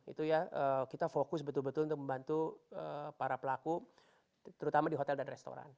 itu ya kita fokus betul betul untuk membantu para pelaku terutama di hotel dan restoran